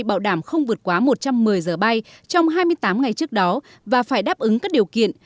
bảo đảm không vượt quá một trăm một mươi giờ bay trong hai mươi tám ngày trước đó và phải đáp ứng các điều kiện